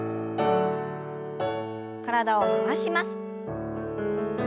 体を回します。